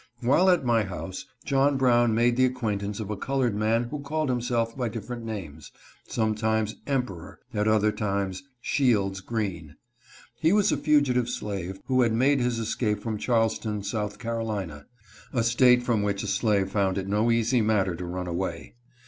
While at my house, John Brown made the acquaintance of a colored man who called himself by different names — sometimes " Emperor," at other times, " Shields Green." He was a fugitive slave, who had made his escape from Charleston, South Carolina ; a State from which a slave found it no easy matter to run away.